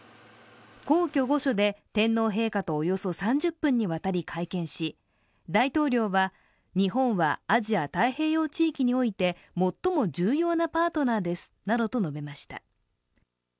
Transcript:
皇居・御所で天皇陛下とおよそ３０分にわたり会見し、大統領は、日本はアジア太平洋地域において最も重要なパートナーですなどと述べました。